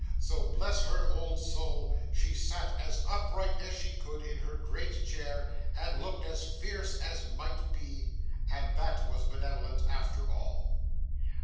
So, bless her old soul, she sat as upright as she could, in her great chair, and looked as fierce as might be and that was benevolent after all.